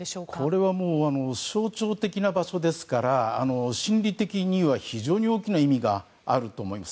これは象徴的な場所ですから心理的には非常に大きな意味があると思います。